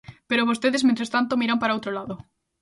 Pero vostedes, mentres tanto, miran para outro lado.